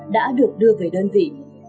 đã được đưa về đơn vị